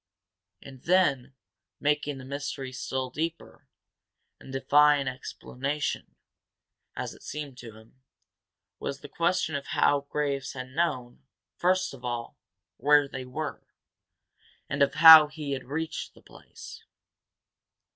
And then, making the mystery still deeper, and defying explanation, as it seemed to him, was the question of how Graves had known, first of all, where they were, and of how he had reached the place.